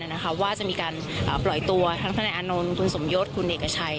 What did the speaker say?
อะนะคะว่าจะมีการอ่าปล่อยตัวทั้งท่านอาณนท์คุณสมยศคุณเนกชัย